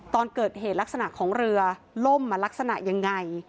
ตอนเกิดเหตุลักษณะของเรือล่มมาลักษณะยังไง